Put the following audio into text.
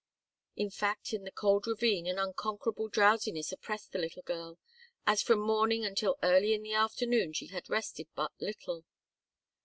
In fact, in the cold ravine an unconquerable drowsiness oppressed the little girl, as from morning until early in the afternoon she had rested but little.